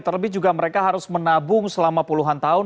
terlebih juga mereka harus menabung selama puluhan tahun